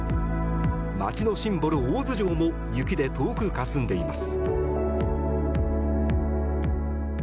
街のシンボル、大洲城も雪で遠くかすんでいます。